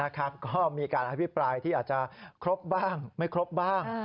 ก็มีการอภิปรายที่อาจจะครบบ้างไม่ครบบ้าง